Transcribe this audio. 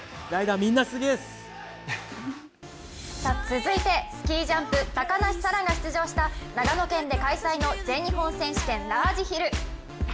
続いてスキージャンプ高梨沙羅が出場した長野県で開催の全日本選手権ラージヒル。